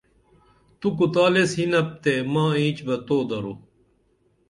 تو کُتال ایس یینپ تے ماں اینچ بہ تو درو